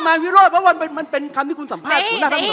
ถ้าบอกว่าคุณแหม่นสุริภาจะเสียใจ